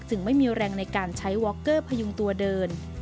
ไม่มีแรงในการใช้วอคเกอร์พยุงตัวเดิน